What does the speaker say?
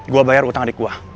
gue bayar utang adik gue